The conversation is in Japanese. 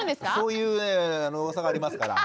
そういうねうわさがありますから。